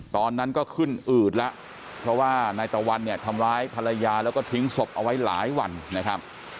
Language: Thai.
ตอนนั้นก็ขึ้นอืดแล้วเพราะว่านายตะวันเนี่ยทำร้ายภรรยาแล้วก็ทิ้งศพเอาไว้หลายวันนะครับ